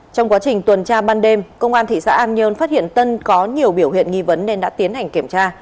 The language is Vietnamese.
trong quá trình tuần tra ban đêm công an thị xã an nhơn phát hiện tân có nhiều biểu hiện nghi vấn nên đã tiến hành kiểm tra